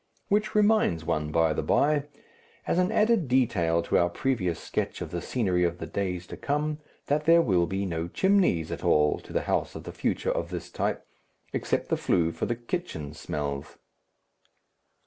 Which reminds one, by the by, as an added detail to our previous sketch of the scenery of the days to come, that there will be no chimneys at all to the house of the future of this type, except the flue for the kitchen smells.